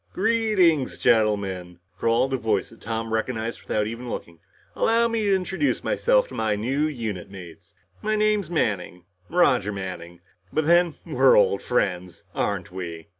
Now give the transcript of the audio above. "Greetings, gentlemen," drawled a voice that Tom recognized without even looking. "Allow me to introduce myself to my new unit mates. My name is Manning Roger Manning. But then, we're old friends, aren't we?"